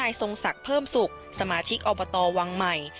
ทรงศักดิ์เพิ่มสุขสมาชิกอบตวังใหม่